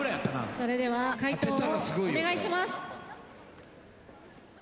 それでは解答をお願いします。